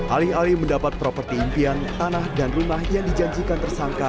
alih alih mendapat properti impian tanah dan rumah yang dijanjikan tersangka